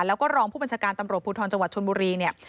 แล้วก็รองผู้บัญชาการตำรวจภูทรจังหวัดชนบุรีเนี่ย